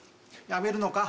やめるのか？